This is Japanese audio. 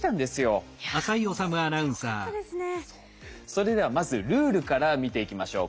それではまずルールから見ていきましょう。